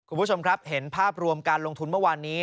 คุณผู้ชมครับเห็นภาพรวมการลงทุนเมื่อวานนี้